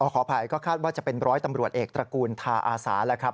ขออภัยก็คาดว่าจะเป็นร้อยตำรวจเอกตระกูลทาอาสาแล้วครับ